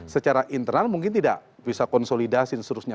secara internal mungkin tidak bisa konsolidasin seterusnya